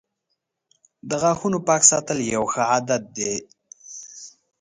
• د غاښونو پاک ساتل یوه ښه عادت دی.